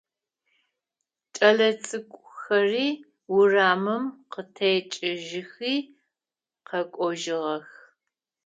Кӏэлэцӏыкӏухэри урамым къытекӏыжьхи къэкӏожьыгъэх.